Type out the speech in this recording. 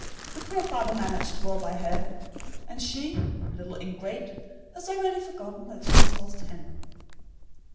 The poor father managed well by her, and she, little ingrate, has already forgotten that she has lost him.